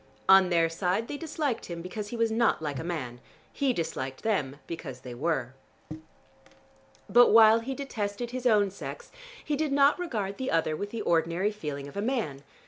On their side they disliked him because he was not like a man: he disliked them because they were. But while he detested his own sex, he did not regard the other with the ordinary feeling of a man.